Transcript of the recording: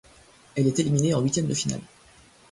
Elle est éliminée en huitième de finale.